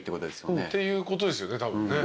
っていうことですよねたぶんね。